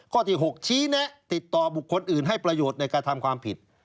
ข้อที่๖ชี้แนะติดต่อบุคคลอื่นให้ประโยชน์ในการทำความผิด